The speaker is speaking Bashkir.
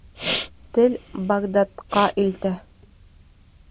Тел Багдадҡа илтә.